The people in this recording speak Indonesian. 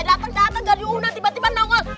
dateng dateng gak diundang tiba tiba nangol